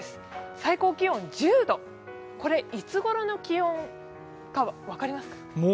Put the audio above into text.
最高気温１０度、これいつごろの気温か分かります？